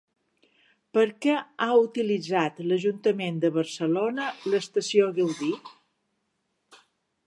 Per què ha utilitzat l'Ajuntament de Barcelona l'estació Gaudí?